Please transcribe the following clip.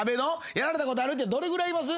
やられたことあるってどれぐらいいます？